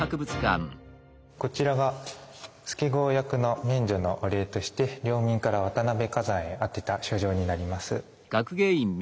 こちらが助郷役の免除のお礼として領民から渡辺崋山へ宛てた書状になります。